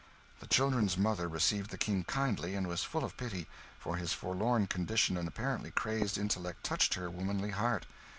The children's mother received the King kindly, and was full of pity; for his forlorn condition and apparently crazed intellect touched her womanly heart.